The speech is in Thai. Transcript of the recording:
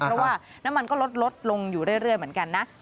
เพราะว่าน้ำมันก็ลดลงอยู่เรื่อยเหมือนกันนะ